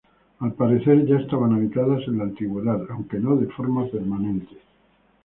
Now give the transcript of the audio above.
Al parecer ya estaban habitadas en la antigüedad aunque no de forma permanente.